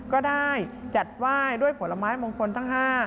ก็ได้จัดไหว้ด้วยผลไม้มงคลทั้ง๕